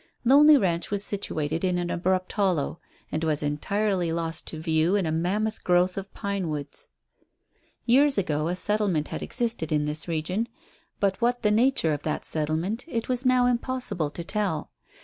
Lonely Ranch was situated in an abrupt hollow, and was entirely lost to view in a mammoth growth of pinewoods. Years ago a settlement had existed in this region, but what the nature of that settlement it was now impossible to tell.